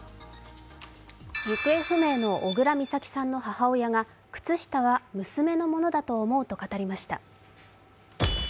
行方不明の小倉美咲さんの母親が「靴下は娘のものだと思う」と語りました。